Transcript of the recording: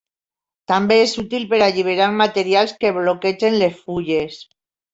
També és útil per alliberar materials que bloquegen les fulles.